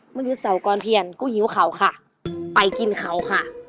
เมื่อยึดเสากรเพียรกูหิวเขาค่ะไปกินเขาค่ะ